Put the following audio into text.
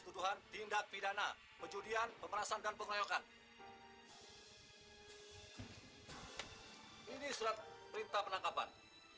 tuduhan tindak pidana penjudian pemerasan dan pengeroyokan ini surat perintah penangkapan